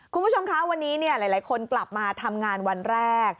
คุณผู้ชมคะวันนี้หลายคนกลับมาทำงานวันแรก